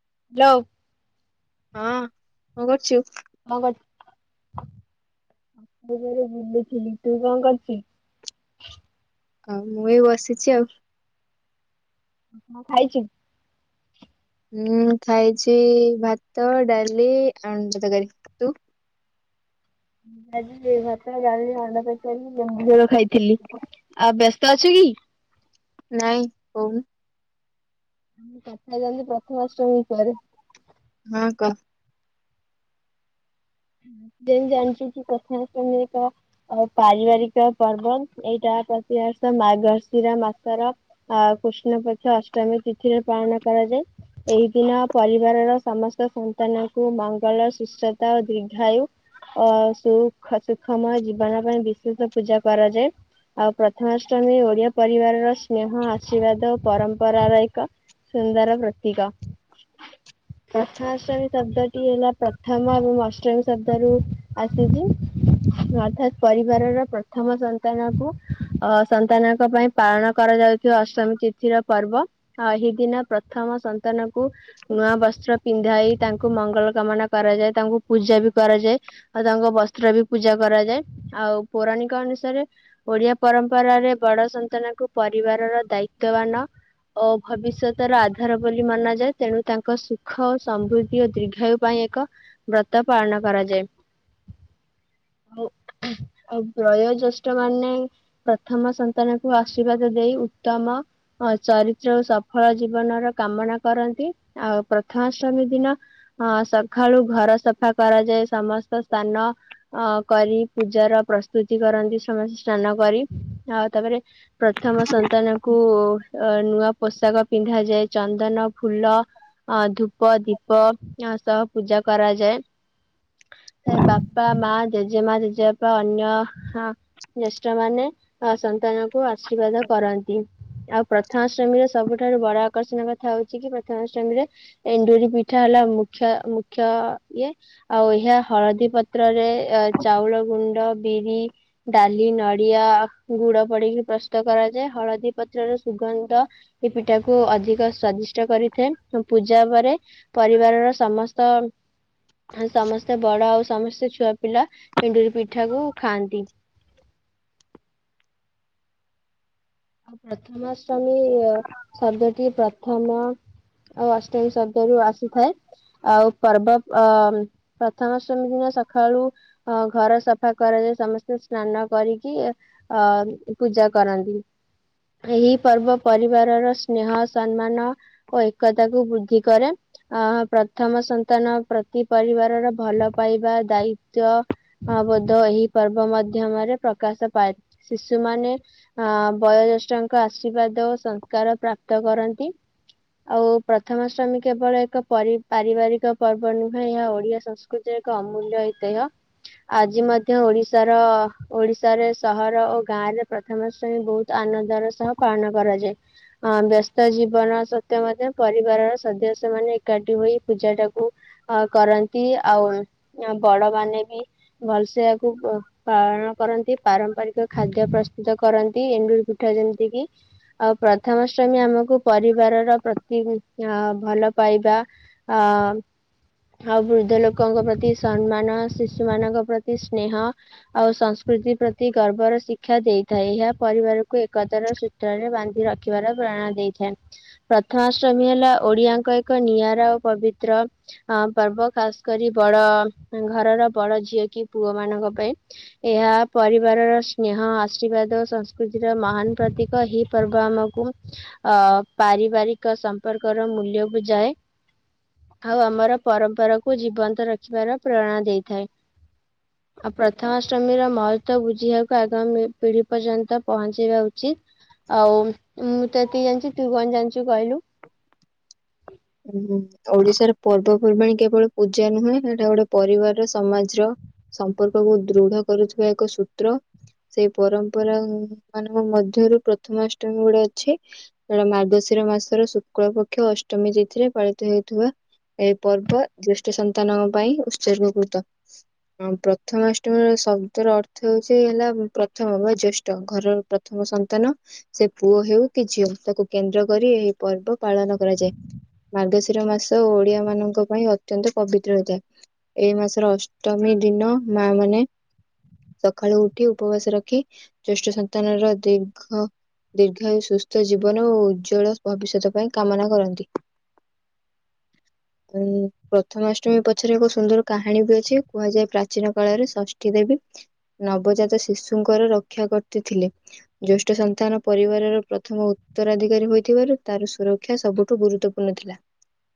[unintelligible] ହଁ, କଣ କରୁଚୁ? [unintelligible] [unintelligible] ବୁଲୁଥିଲି। ତୁ କଣ କରୁଚୁ? ଆଉ ମୁଁ ଏ ବସିଚି ଆଉ। ହଁ ଖାଇଚି। ମୁଁ ଖାଇଛି ଭାତ, ଡାଲି ଆଉ। [unintelligible] ତୁ? ଭାତ, ଡାଲି, ଅଣ୍ଡା ତରକାରୀ ଲେମ୍ବୁ ଝୋଳ ଖାଇଥିଲି। ଆଉ ବ୍ୟ ତ ଅଛି କି? ନାଇଁ କହୁନୁ। [unintelligible] ପ୍ରଥମାଷ୍ଟମୀ ପରେ ହଁ କହ। [inaudible] ଯେମିତି ଜାଣିଚ କି ପ୍ରଥମାଷ୍ଟମୀ ଏକ ପାରିବାରିକ ପର୍ବ। ଏଇଟା ପ୍ରତି ମାର୍ଗଶିର ମାସର ଅ କୃଷ୍ଣ ପକ୍ଷ ଅଷ୍ଟମୀ ତିଥିରେ ପାଳନ କରାଯାଏ। ଏଇ ଦିନ ପରିବାରର ସମସ୍ତ ସନ୍ତାନଙ୍କୁ ମଙ୍ଗଳ ସୁସ୍ଥତା ଓ ଦି ଦୀର୍ଘାୟୁ ଅ ସୁଖ ସୁଖମୟ ଜୀବନ ପାଇଁ ବିଶେଷ ପୂଜା କରାଯାଏ। ଆଉ ପ୍ରଥମାଷ୍ଟମୀ ଓଡିଆ ପରିବାରର ସ୍ନେହ ଆଶୀର୍ବାଦ ପରମ୍ପରା ର ଏକ ସୁନ୍ଦର ପ୍ରତୀକ। ପ୍ରଥମାଷ୍ଟମୀ ଶବ୍ଦଟି ହେଲା ପ୍ରଥମ ଏବଂ ଅଷ୍ଟମୀ ଶବ୍ଦ ରୁ ଆସିଛି। ଅର୍ଥାତ ପରିବାରର ପ୍ରଥମ ସନ୍ତାନକୁ ଅ ସନ୍ତାନଙ୍କ ପାଇଁ ପାଳନ କରାଯାଉ ଅଷ୍ଟମୀ ତିଥିର ପର୍ବ। ଏହି ଦିନ ପ୍ରଥମ ସନ୍ତାନକୁ ନୂଆ ବସ୍ତ୍ର ପିନ୍ଧା ହେଇ ତାଙ୍କୁ ମଙ୍ଗଳ କାମନା କରାଯାଏ। ତାଙ୍କୁ ପୂଜା ବି କରାଯାଏ। ଆଉ ତାଙ୍କ ବସ୍ତ୍ର ବି ପୂଜା କରାଯାଏ। ଆଉ ପୌରାଣିକ ଅନୁସାରେ ଓଡିଆ ପର ପରମ୍ପରା ରେ ବଡ ସନ୍ତାନଙ୍କୁ ପରିବାରର ଦାୟିତ୍ୱବାନ ଓ ଭବିଷ୍ୟତ ର ଆଧାର ବୋଲି ମନାଯାଏ। ତେଣୁ ତାଙ୍କ ସୁଖ ସମୃଦ୍ଧି ଓ ଦୀର୍ଘାୟୁ ପାଇଁ ଏକ ବ୍ରତ ପାଳନ କରାଯାଏ। ଆଉ ଆଉ ବୟୋଜ୍ୟେଷ୍ଠ ମାନେ ପ୍ରଥମ ସନ୍ତାନ କୁ ଆଶୀର୍ବାଦ ଦେଇ ଉତ୍ତମ ଚରିତ୍ର ଓ ସଫଳ ଜୀବନର କାମନା କରନ୍ତି। ଆଉ ପ୍ରଥମ ଅଷ୍ଟମୀ ଦିନ ଅ ସକାଳୁ ଘର ସଫା କରାଯାଏ। ସମସ୍ତ ସ୍ନାନ ଅ କରି ପୂଜାର ପ୍ରସ୍ତୁତି କରନ୍ତି। ସମସ୍ତେ ସ୍ନାନ କରି ଆଉ ତାପରେ ପ୍ରଥମ ସନ୍ତାନ କୁ ଅ ନୂଆ ପୋଷାକ ପିନ୍ଧାଯାଏ। ଚନ୍ଦନ ଫୁଲ ଅ ଧୂପ ଦୀପ ସହ ପୂଜା କରାଯାଏ। ସେ ବାପା ମା ଜେଜେମା ଜେଜେବାପା ଅନ୍ୟ ଜ୍ୟଷ୍ଠ ମାନେ ଅ ସନ୍ତାନଙ୍କୁ ଆଶୀର୍ବାଦ କରନ୍ତି। ଆଉ ପ୍ରଥମାଷ୍ଟମୀରେ ସବୁଠାରୁ ବଡ ଆକର୍ଷଣ କଥା ହଉଛି କି ପ୍ରଥମାଷ୍ଟମୀରେ ଏଣ୍ଡୁରି ପିଠା ହେଲା ମୁଖ୍ୟ ମୁଖ୍ୟ ଇଏ। ଆଉ ଏହା ହଳଦୀ ପତ୍ରରେ ଅ ଚାଉଳ ଗୁଣ୍ଡ ବିରି, ଡାଲି, ନଡିଆ, ଗୁଡ ପଡିକି ପ୍ରସ୍ତୁତ କରାଯାଏ। ହଳଦୀ ପତ୍ରର ସୁ ସୁର୍ଗନ୍ଧ ଏ ପିଠା କୁ ଅଧିକ ସ୍ଵାଦିଷ୍ଟ କରିଥାଏ। ପୂଜା ପରେ ପରିବାରର ସମସ୍ତ ଆ, ସମସ୍ତେ ବଡ ଆଉ ସମସ୍ତେ ଛୁଆ ପିଲା ଏଣ୍ଡୁରି ପିଠା କୁ ଖାଆନ୍ତି। ପ୍ରଥମାଷ୍ଟମୀ-ଇ-ଇ-ୟ ଶବ୍ଦଟି ପ୍ରଥମ ଆଉ ଅଷ୍ଟମୀ ଶବ୍ଦରୁ ଆସିଥାଏ। ଆଉ ପର୍ବ ଅ-ଅ ପ୍ରଥମାଷ୍ଟମୀ ଦିନ ସକାଳୁ ଅ ଘର ସଫା କରାଯାଏ ସମସ୍ତେ ସ୍ନାନ କରିକି ଅ-ଅ-ଅ ପି ପୂଜା କରନ୍ତି। ଏହି ପର୍ବ ପରିବାରର ସ୍ନେହ ସମ୍ମାନ ଓ ଏକତା କୁ ବୃଦ୍ଧି କରେ। ଆ ଅ ପ୍ରଥମ ସନ୍ତାନ ପ୍ରତି ପରିବାରର ଭଲ ପାଇବା ଦାୟିତ୍ଵ ଅ ବୋଧ ଏହି ପର୍ବ ମାଧ୍ୟମରେ ପ୍ରକାଶ ପାଏ। ଶିଶୁ ମାନେ ଅ-ଅ ବୟୋଜ୍ୟେଷ୍ଠଙ୍କ ଆଶୀର୍ବାଦ ଓ ସଂସ୍କାର ପ୍ରାପ୍ତ କରନ୍ତି। ଆଉ ପ୍ରଥମାଷ୍ଟମୀ କେବଳ ଏକ ପରି ପାରିବାରିକ ପର୍ବ ନୁହେଁ ଏହା ଓଡିଆ ସଂସ୍କୃତି ଏକ ଅମୂଲ୍ୟ ଏତ୍ୟହ। ଆଜି ମଧ୍ୟ ଓଡିଶାର ଓଡିଶାରେ ସହର ଓ ଗାଁ ରେ ପ୍ରଥମ ଶ୍ରେଣୀ ବହୁତ ତ ଆନନ୍ଦର ସହ ପାଳନ କରାଯାଏ। ଅ ବ୍ୟସ୍ତ ଜୀବନ ସତେ ମଧ୍ୟ ପରିବାରର ସଦ ସେମାନେ ଏକାଠି ହୋଇ ପୂଜା ଟାକୁ ଅ କରନ୍ତି ଆଉ ବଡ ମାନେ ବି ଭଲସେ ଆକୁ ପାଳନ କରନ୍ତି ପାରମ୍ପରିକ ଖାଦ୍ୟ ପ୍ରସ୍ତୁତ କରନ୍ତି ଏଣ୍ଡୁରୀ ପିଠା ଯେମତି କିି ଆଉ ପ୍ରଥମାଷ୍ଟମୀ ଆମକୁ ପରିବାରର ପ୍ରତି ଅ-ଅ-ଅ ଭଲ ପାଇବା ଆ-ଆ-ଆ ଆଉ ବୃଦ୍ଧ ଲୋକଙ୍କ ପ୍ରତି ସମ୍ମାନ ଶିଶୁ ମାନଙ୍କ ପ୍ରତି ସ୍ନେହ ଆଉ ସ ସ୍କୃତି ପ୍ରତି ଗର୍ବର ଶିକ୍ଷା ଦେଇଥାଏ। ଏହା ପରିବାରକୁ ଏକତାର ସୂତ୍ରରେ ବାନ୍ଧି ରଖିବାର ପ୍ରେରଣା ଦେଇଥାଏ। ପ୍ରଥମାଷ୍ଟମୀ ହେଲା ଓଡିଆଙ୍କ ଏକ ନିଆରା ଓ ପବିତ୍ର ଆ ପର୍ବ ଖାସ କରି ବଡ-ଅ-ଅ ଘରର ବଡ ଝିଅ କି ପୁଅ ମାନଙ୍କ ପାଇଁ ଏହା ପରିବାରର ସ୍ନେହ ଆଶୀର୍ବାଦ ସଂସ୍କୃତି ର ମହାନ ପ୍ରତୀକ ଏହି ପର୍ବ ଆମକୁ ଅ-ଅ ପାରିବାରିକ ସମ୍ପର୍କ ର ମୂଲ୍ୟ ବୁଝାଏ। ଆଉ ଆମର ପରମ୍ପରାକୁୁ ଜୀବନ୍ତ ରଖିବାର ପ୍ରେରଣା ଦେଇଥାଏ। ଆଉ ପ୍ରଥମାଷ୍ଟମୀର ମହତ୍ଵ ବୁଝିିବାକୁ ଆଗାମୀ ପିଢି ପର୍ଯ୍ୟନ୍ତ ପହଞ୍ଚେଇବା ଉଚିତ। ଆଉ ମୁଁ ତ ଏତିକ ଜାଣିଛି ତୁ କଣ ଜାଣିଛୁ କହିଲୁ। ଆ ହୁଁ ଓଡିଶାର ପର୍ବପର୍ବାଣିୀ କେବଳ ପୂଜା ନୁହେଁ ଏଇଟା ଗୋଟେ ପରିବାର ସମାଜର ସମ୍ପର୍କକୁ ଦୃଢ କରୁଥିବା ଏକ ସୂତ୍ର। ସେଇ ପରମ୍ପରା ଉ-ଉ ମାନଙ୍କ ମଧ୍ୟରୁ ପ୍ରଥମାଷ୍ଟମୀ ଗୁଟେ ଅଛି। ସେଟା ମାର୍ଗଶୀର ର ମାସର ଶୁକ୍ଳ ପକ୍ଷ ଅଷ୍ଟମୀ ତିଥିରେ ପାଳିତ ହେଉଥିବା ଏହି ପର୍ବ ଦ୍ୟେଷ୍ଠ ସନ୍ତାନଙ୍କ ପାଇଁ ଉତ୍ସର୍ଗୀକୃତ। ହଁ ପ୍ରଥମାଷ୍ଟମୀର ଶବ୍ଦର ଅର୍ଥ ହଉଛି ହେଲା ପ୍ରଥମ ବା ଜ୍ୟେଷ୍ଠ ଘରର ପ୍ରଥମ ସନ୍ତାନ ସେ ପୁଅ ହେଉ କି ଝିଅ ତାକୁ କେନ୍ଦ୍ର କରି ଏହି ପର୍ବ ପାଳନ କରାଯାଏ। ମାର୍ଗଶିର ମାସ ଓଡିଆ ମାନଙ୍କ ପାଇଁ ଅତ୍ୟନ୍ତ ପବିତ୍ର ହୋଇଥାଏ। ଏଇ ମାସର ଅଷ୍ଟମ ଦିନ ମା ମାନେ ସକାଳୁ ଉଠି ଉପବାସ ରଖି ଜ୍ୟେଷ୍ଠ ସନ୍ତାନର ଦୀର୍ଘ ଦୀର୍ଘାୟୁ ସୁସ୍ଥ ଜୀବନ ଓ ଉଜ୍ୱଳ ଭବିଷ୍ୟତ ପାଇଁ କାମନା କରନ୍ତି। ଉଁ ପ୍ରଥମାଷ୍ଟମୀ ପଛରେ ଏକ ସୁନ୍ଦର କାହାଣୀ ବି ଅଛି କୁହାଯାଏ ପ୍ରାଚୀନ କାଳରେ ଷଷ୍ଠୀ ଦେବୀ ନବଜାତ ଶିଶୁଙ୍କର ରକ୍ଷା କରିତିଥିଲେ। ଜ୍ୟେଷ୍ଠ ସନ୍ତାନ ପରିବାରର ପ୍ରଥମ ଉତ୍ତରାଧିକାରୀ ହୋଇଥିବାରୁ ତାର ସୁରକ୍ଷା ସବୁଠୁ ଗୁରୁତ୍ୱପୂର୍ଣ୍ଣ ଥିଲା।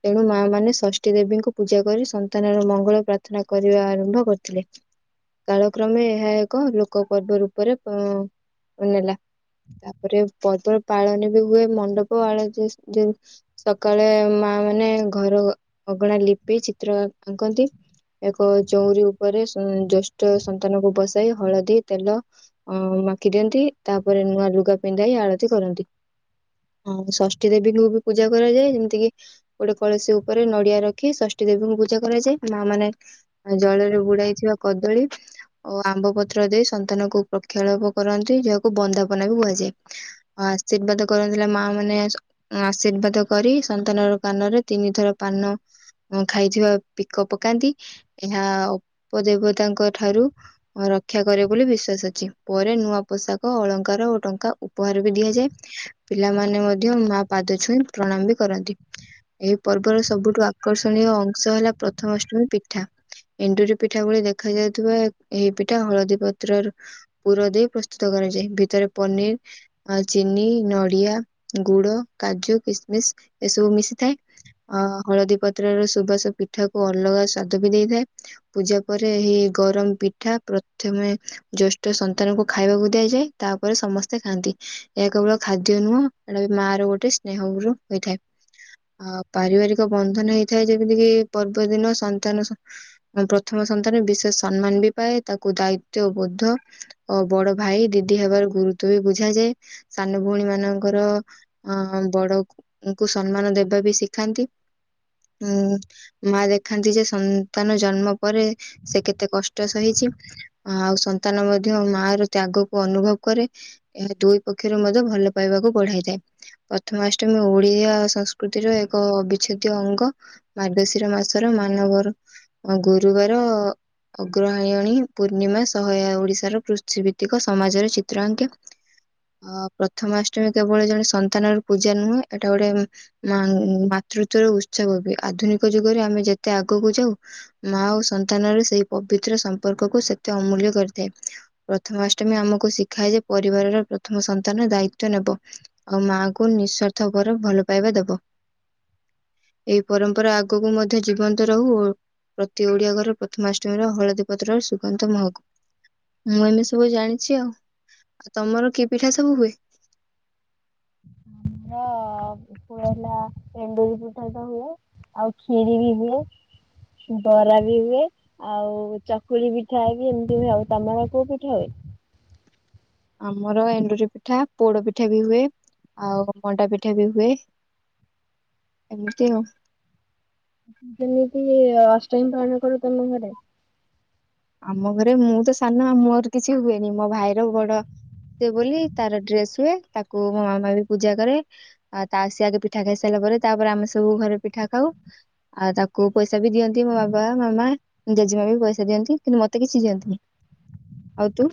ତେଣୁ ମା ମାନେ ଷଷ୍ଠୀ ଦେବୀଙ୍କୁ ପୂଜା କରି ସନ୍ତାନର ମଙ୍ଗଳ ପ୍ରାର୍ଥନା କରିବା ଆରମ୍ଭ କରିଥିଲେ। କାଳକ୍ରମେ ଏହା ଏକ ଲୋକ ପର୍ବ ରୂପରେ ପଁ ନେଲା। ତାପରେ ପଦର ପାଳନ ବି ହୁଏ ମଣ୍ଡପ ଆଳତି ଯୋ ଯୋଉ ସକାଳେ ମା ମାନେ ଘର ଅଗଣା ଲିପି ଚିତ୍ର ଆଙ୍କ ଆଙ୍କନ୍ତି। ଏକ ଚଉରି ଉପରେ ଜେଷ୍ଠ ସନ୍ତାନ କୁ ବସାଇ ହଳଦୀ ତେଲ ଅଁ ମାଖି ଦିଅନ୍ତି ତାପରେ ନୂଆ ଲୁଗା ପିନ୍ଧାଇ ଆଳତି କରନ୍ତି। ହଁ ଷଷ୍ଠୀ ଦେବୀଙ୍କୁ ବି ପୁ ପୂଜା କରାଯାଏ। ଯେମିତି କିି ଗୋଟେ କଳସୀ ଉପରେ ନଡିଆ ରଖି ଷଷ୍ଠୀ ଦେବୀଙ୍କୁ ପୂଜା କରାଯାଏ। ମା ମାନେ ଆଉ ଜଳରେ ବୁଡାଇଥିବା କଦଳୀ ଓ ଆମ୍ବ ପତ୍ର ଦେଇ ସନ୍ତାନକୁ ଉପକ୍ଷାଳାପ କରନ୍ତି। ଯାହାକୁ ବନ୍ଦାପନା ବି କୁହାଯାଏ। ଆ ଆଶୀର୍ବାଦ କରଥିଲା ମା ମାନେ ଆଶୀର୍ବାଦ କରି ସନ୍ତାନର କାନରେ ତିନିଥର ପାନ ଖାଇଥିବା ପିକ ପକାନ୍ତି ଏହା ଅପଦେବତାଙ୍କ ଠାରୁ ଉଁ ରକ୍ଷା କରେ ବୋଲି ବିଶ୍ଵାସ ଅଛି। ପରେ ନୂଆ ପୋଷାକ ଅଳଙ୍କାର ଓ ଟଙ୍କା ଉପହାର ବି ଦିଆଯାଏ। ପିଲାମାନେ ମଧ୍ୟ ମା ପାଦ ଛୁଇଁ ପ୍ରଣାମ ବି କରନ୍ତି। ଏହି ପର୍ବର ସବୁଠୁ ଆକର୍ଷଣୀୟ ଅଂଶ ହେଲା ପ୍ରଥମାଷ୍ଟମୀ ପିଠା। ଏଣ୍ଡୁରି ପିଠା ଭଳି ଦେଖାଯାଉଥିବା ଏହି ପିଠା ହଳଦୀ ପତ୍ରର ପୁର ଦେଇ ପ୍ରସ୍ତୁତ କ କରାଯାଏ ଭିତରେ ପନିର ଆଉ ଚିନି ନଡିଆ ଗୁଡ କାଜୁ କିସ ମିସ ଏସବୁ ମିଶିଥାଏ। ଅ ହଳଦୀ ପତ୍ର ର ସୁବାସ ପିଠାକୁ ଅଲଗା ସ୍ଵାଦ ବି ଦେଇ ଯାଏ ପୂଜା ପରେ ଏହି ଗରମ ପିଠା ପ୍ରଥମେ ଜେଷ୍ଠ ସନ୍ତାନଙ୍କୁ ଖାଇବାକୁ ଦିଆଯାଏ ତାପରେ ସମସ୍ତେ ଖାଆନ୍ତି। ଏହା କେବଳ ଖାଦ୍ୟ ନୁହଁ। ଏଟା ମା ର ଗୋଟେ ସ୍ନେହରୁ ହୋଇଥାଏ। ଆ ପାରିବାରିକ ବନ୍ଧନ ହେଇଥାଏ। ଯେମିତି କିି ପର୍ବଦିନ ସନ୍ତାନ ସ ପ୍ରଥମ ସନ୍ତାନ ବିଶେଷ ସମ୍ମାନ ବି ପାଏ। ତାକୁ ଦାୟିତ ବୋଧ ଓ ବଡ ଭାଇ ଦିଦି ହେବାର ଗୁରୁ ଉତ ବି ବୁଝାଯାଏ ସାନ ଭଉଣୀ ମାନଙ୍କର ଅ ବଡକୁ ଙ୍କୁ ସମ୍ମାନ ଦେବା ବି ଶିଖାନ୍ତି। ହୁଁ ମା ଦେଖାନ୍ତି ଯେ ସନ୍ତାନ ଜନ୍ମ ପରେ ସେ କେତେ କଷ୍ଟ ସହିଚି। ଆଉ ସନ୍ତାନ ମଧ୍ୟ ମା ର ତ୍ୟାଗକୁ ଅନୁଭବ କରେ। ଏହା ଦୁଇ ପକ୍ଷରେ ମଧ୍ୟ ଭଲ ପାଇବାକୁ ବଢାଇଥାଏ। ପ୍ରଥମାଷ୍ଟମୀ ଓଡିଆ ସଂସ୍କୃତିର ଏକ ଅବିଚ୍ଛେଦ୍ୟ ଅଙ୍ଗ। ମାର୍ଗଶିର ମାସର ମାନବର ଆ ଗୁରୁବାର ଅଗ୍ରହାୟଣୀ ପୂର୍ଣ୍ଣିମା ସହାୟା ଓଡିଶାର ପୃଷ୍ଟି ଭିତ୍ତିକ ସମାଜର ଚିତ୍ରାଙ୍କ୳ ଅ ପ୍ରଥମାଷ୍ଟମୀ କେବଳ ଜଣେ ସନ୍ତାନର ପୂଜା ନୁହେଁ। ଏଟା ଗୋଟେ ମା ମାତୃତ୍ୟର ଉତ୍ସବ ବି ଆଧୁନିକ ଯୁଗରେ ଆମେ ଯେତେ ଆଗକୁ ଯାଉ। ମା ଓ ସନ୍ତାନର ସେଇ ପବିତ୍ର ସମ୍ପର୍କକୁ ସେତେ ଅମୂଲ୍ୟ କରିଥାଏ। ପ୍ରଥମାଷ୍ଟମୀ ଆମକୁ ଶିଖାଏ ଯେ ପରିବାରର ପ୍ରଥମ ସନ୍ତାନ ଦାୟିତ ନେବ। ଆଉ ମା କୁ ନିଃସ୍ୱାର୍ଥ ପର ଭଲ ପାଇବା ଦବ। ଏଇ ପରମ୍ପରା ଆଗକୁ ମଧ୍ୟ ଜୀବନ୍ତ ରହୁ। ଓ ପ୍ରତି ଓଡିଆ ଘର ପ୍ରଥମାଷ୍ଟମୀର ହଳଦୀ ପତ୍ରର ସୁଗନ୍ଧ ମହକୁ। ମୁଁ ଏମିତି ସବୁ ଜାଣିଚି ଆଉ। ଆଉ ତମର କି ପିଠା ସବୁ ହୁଏ। [inaudible] ଅ ହୁଏ ହେଲା ଏଣ୍ଡୁରି ପିଠାଟା ହୁଏ। ଆଉ ଖିରି ବି ହୁଏ। ବରା ବି ହୁଏ ଆଉ ଚକୁଳି ପିଠା ବି ଏମିତି ହୁଏ। ଆଉ ତମର କୋଉ ପିଠା ହୁଏ। ହ ଆମର ଏଣ୍ଡୁରି ପିଠା ପୋଡ ପିଠା ବି ହୁଏ। ଆଉ ମଣ୍ଡା ପିଠା ବି ହୁଏ। ଏମିତି ଆଉ। ହୁଁ ଯେମିତି ଅଷ୍ଟମୀ ପାଳନ କର ତମ ଘରେ। ଆମ ଘରେ ମୁଁ ତ ସାନ ମୋର କିଛି ହୁଏନି। ମୋ ଭାଇର ବଡ--‌ ସେ ବୋଲି ତାର ଡ୍ରେସ ହୁଏ। ତାକୁ ମୋ ମାମା ବି ପୂଜା କରେ। ଆଉ ତା ସିଏ ଆଗେ ପିଠା ଖାଇସାରିଲା ପରେ ତା ତାପରେ ଆମେ ସବୁ ଘରେ ପିଠା ଖାଉ। ଆଉ ତାକୁ ପଇସା ବି ଦିଅନ୍ତି ମୋ ବାବା ମାମା ଜେଜେମା ବି ପଇସା ଦିଅନ୍ତି । କିନ୍ତୁ ମତେ କିଛି ଦିଅନ୍ତିନି ଆଉ ତୁ।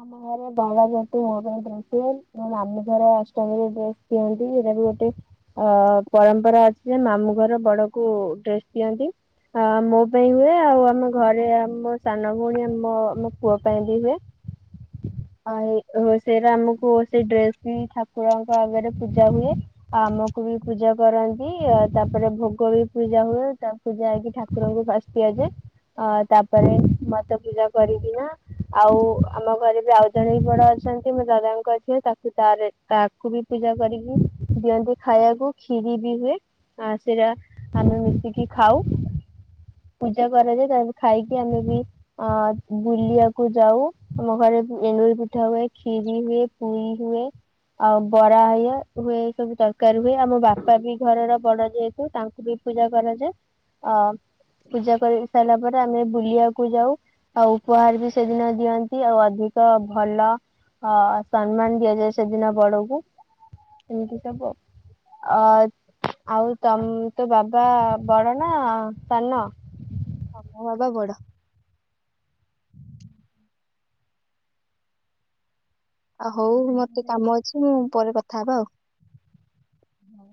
ଆମ ଘରେ ବଡ଼ ଯେହେତୁ ମୋ ପାଇଁ ଡ୍ରେସ ହୁଏ, ମୋ ମାମୁଁ ଘର ଅଷ୍ଟମିରେ ଡ୍ରେସ୍ ଦିଅନ୍ତି ର ଗୋଟେ ଅ ପରମ୍ପରା ଅଛି ଯେ, ମାମୁଁ ଘର ବଡକୁ ଡ୍ରେସ ଦିଅନ୍ତି । ଅ ମୋ ପାଇଁ ହୁଏ ଆଉ ଆମ ଘରେ ଆମ ସାନ ଭଉଣୀ ଆମ ଆମ ପୁଅ ପାଇଁ ବି ହୁଏ। [inaudible] ଆ ହେ ରୋଷେଇରେ ଆମକୁ ସେ ଡ୍ରେସ କିଣି ଠାକୁରଙ୍କ ଆଗରେ ପୂଜା ହୁଏ ଆ ତାଙ୍କୁ ବି ପୂଜା କରନ୍ତି ଆ ତାପରେ ଭୋଗ ବି ପୂଜା ହୁଏ ତା ପୂଜା ହେଇକି ଠାକୁରଙ୍କୁ ଫାର୍ଷ୍ଟ ଦିଆଯାଏ ଆ ତାପରେ ମତେ ପୂଜା କରିକି ନା ଆଉ ଆମ ଘରେ ବି ଆଉ ଜଣେ ବି ବଡ ଅଛନ୍ତି ମୋ ଦାଦାଙ୍କ ଝିଅ ତାକୁ ତାରେ ତାକୁ ବି ପୂଜା କରିକି ଦିଅନ୍ତି ଖାଇଆକୁ ଖିରି ବି ହୁଏ । ଆ ସେଇଟା ଆମେ ମିଶିକି ଖାଉ। ପୂଜା କରାଯାଏ ତାପରେ ଖାଇକି ଆମେ ବି ଆ ବୁଲିବାକୁ ଯାଉ। ଆମ ଘରେ ବି ଏଣ୍ଡୁରି ପିଠା ହୁଏ କ୍ଷୀରି ହୁଏ ପୁରି ହୁଏ। ଆଉ ବରା ହଏ ହୁଏ ଏସବୁ ତରକାରୀ ହୁଏ ଆମ ବାପା ବି ଘରର ବଡ ଯେହେତୁ ତାଙ୍କୁ ବି ପୂଜା କରାଯାଏ ଅ ପୂଜା କରି ସାରିଲା ପରେ ଆମେ ବୁଲିଆକୁ ଯାଉ ଆଉ ଉପହାର ବି ସେଦିନ ଦିଅ ଅଛି ଆଉ ଅଧିକ ଭଲ ଅ ସନ୍ମାନ ଦିଆଯାଏ ସେଦିନ ବଡଙ୍କୁ। ଏମିତି ସବୁ ଆଉ ଅ। ଆଉ ତମ ତୋ ବାବା ବଡ ନା ସାନ? ହଁ ମୋ ବାବା ବଡ। ଆଉ ହଉ ମତେ କାମ ଅଛି ମୁଁ ପରେ କଥା ହବା ଆଉ । ହଉ।